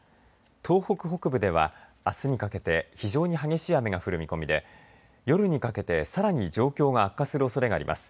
東北北部ではあすにかけて非常に激しい雨が降る見込みで夜にかけてさらに状況が悪化するおそれがあります。